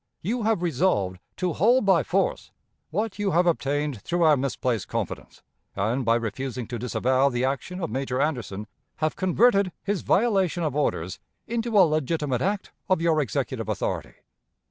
You have resolved to hold by force what you have obtained through our misplaced confidence, and, by refusing to disavow the action of Major Anderson, have converted his violation of orders into a legitimate act of your Executive authority.